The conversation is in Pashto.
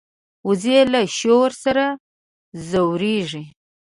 وزې له شور سره ځورېږي